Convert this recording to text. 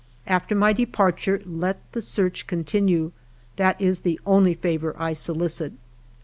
After my departure let the search continue; that is the only favor I solicit.'